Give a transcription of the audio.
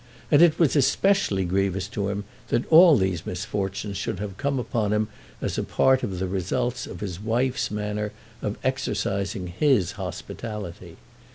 And it was especially grievous to him that all these misfortunes should have come upon him as a part of the results of his wife's manner of exercising his hospitality.